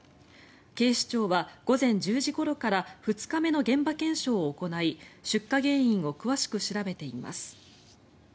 警視庁は午前１０時ごろから２日目の現場検証を行い出火現在を詳しく調べています。